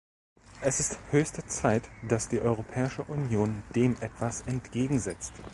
Es ist höchste Zeit, dass die Europäische Union dem etwas entgegensetzt.